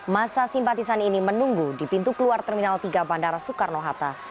masa simpatisan ini menunggu di pintu keluar terminal tiga bandara soekarno hatta